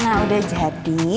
nah udah jadi